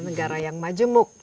negara yang majemuk